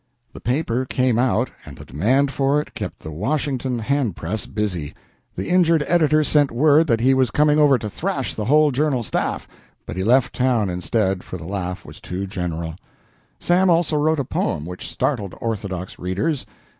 The paper came out, and the demand for it kept the Washington hand press busy. The injured editor sent word that he was coming over to thrash the whole Journal staff, but he left town, instead, for the laugh was too general. Sam also wrote a poem which startled orthodox readers.